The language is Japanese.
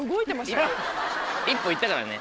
１歩いったからね。